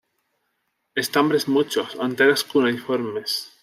Estambres muchos; anteras cuneiformes.